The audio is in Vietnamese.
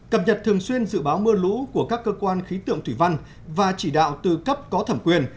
cập nhật thường xuyên dự báo mưa lũ của các cơ quan khí tượng thủy văn và chỉ đạo tư cấp có thẩm quyền